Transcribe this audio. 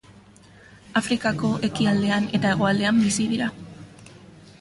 Afrikako ekialdean eta hegoaldean bizi dira.